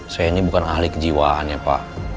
saya ini bukan ahli kejiwaannya pak